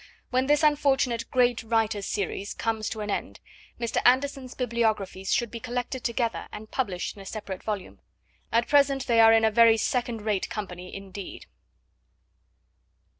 When this unfortunate 'Great Writers' Series comes to an end, Mr. Anderson's bibliographies should be collected together and published in a separate volume. At present they are in a very second rate company indeed.